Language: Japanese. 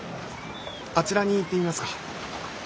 あちらに行ってみますか。